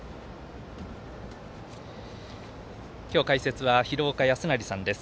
今日解説は、廣岡資生さんです。